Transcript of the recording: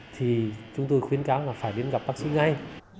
thì chúng tôi khuyến cáo là phải đến gặp bác sĩ ngay